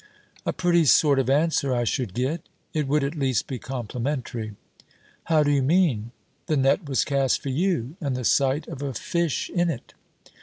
'A pretty sort of answer I should get.' 'It would at least be complimentary.' 'How do you mean?' 'The net was cast for you and the sight of a fish in it!'